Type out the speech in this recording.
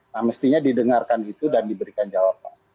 nah mestinya didengarkan itu dan diberikan jawaban